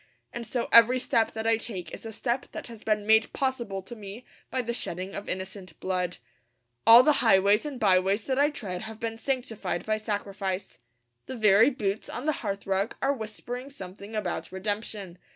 And so every step that I take is a step that has been made possible to me by the shedding of innocent blood. All the highways and byways that I tread have been sanctified by sacrifice. The very boots on the hearthrug are whispering something about redemption.